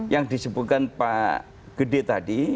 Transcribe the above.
yang disebutkan pak gede tadi